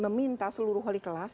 meminta seluruh holi kelas